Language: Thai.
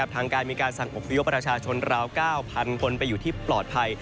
ทางการมีการสั่งอบพยพประชาชนราว๙๐๐คนไปอยู่ที่ปลอดภัย